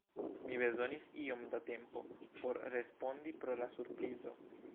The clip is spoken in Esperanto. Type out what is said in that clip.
Mi bezonis iom da tempo por respondi pro la surprizo.